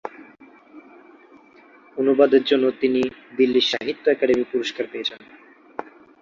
অনুবাদের জন্য তিনি দিল্লি সাহিত্য একাডেমি পুরস্কার পেয়েছেন।